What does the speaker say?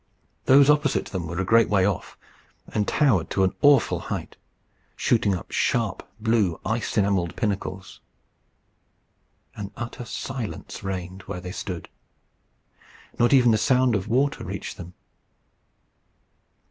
Those opposite to them were a great way off, and towered to an awful height, shooting up sharp, blue, ice enamelled pinnacles. An utter silence reigned where they stood. Not even the sound of water reached them.